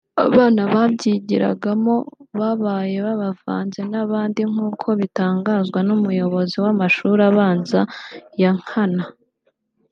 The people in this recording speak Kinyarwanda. abana babyigiragamo babaye babavanze n’abandi; nk’uko bitangazwa n’umuyobozi w’amashuri abanza ya Nkana